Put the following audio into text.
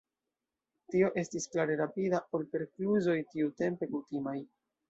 Tio estis klare rapida ol per kluzoj tiutempe kutimaj.